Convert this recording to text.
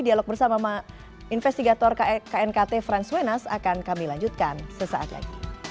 dialog bersama investigator knkt franz wenas akan kami lanjutkan sesaat lagi